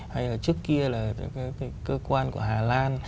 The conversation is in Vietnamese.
hay là trước kia là các cái cơ quan của hà lan